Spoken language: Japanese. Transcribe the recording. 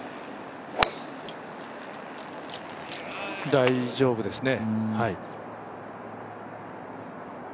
大丈夫ですね。